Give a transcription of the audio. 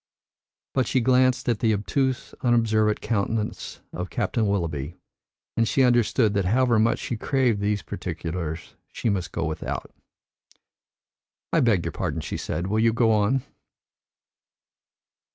But she glanced at the obtuse, unobservant countenance of Captain Willoughby, and she understood that however much she craved for these particulars, she must go without. "I beg your pardon," she said. "Will you go on?"